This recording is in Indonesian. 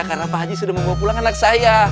karena pak ji sudah membawa pulang anak saya